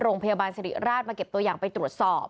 โรงพยาบาลสิริราชมาเก็บตัวอย่างไปตรวจสอบ